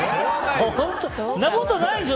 そんなことないでしょ。